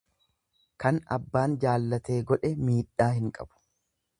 Kan abbaan jaallatee godhe miidhaa hin qabu.